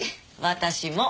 私も。